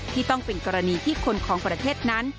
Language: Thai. ที่ต้องเป็นกรณีที่คนของประเทศนั้น